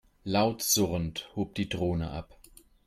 Laut surrend hob die Drohne ab.